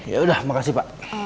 ya udah makasih pak